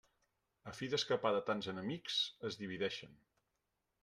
A fi d'escapar de tants enemics, es divideixen.